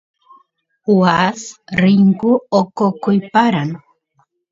waas rinku oqoquy paran